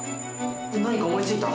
何か思いついた？